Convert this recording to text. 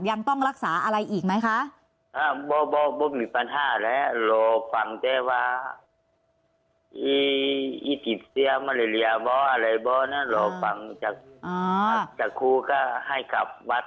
ยังต้องรักษาอะไรอีกไหมคะ